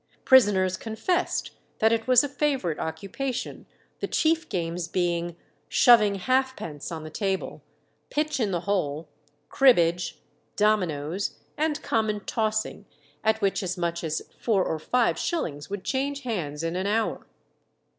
Prisoners confessed that it was a favourite occupation, the chief games being "shoving halfpence" on the table, pitch in the hole, cribbage, dominoes, and common tossing, at which as much as four or five shillings would change hands in an hour.